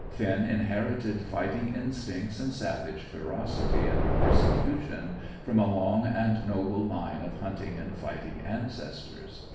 Finn inherited fighting instincts and savage ferocity under persecution from a long and noble line of hunting and fighting ancestors.